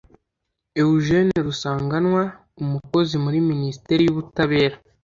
Eugene Rusanganwa Umukozi muri Minisiteri y’Ubutabera